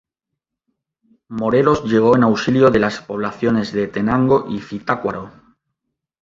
Morelos llegó en auxilio de las poblaciones de Tenango y Zitácuaro.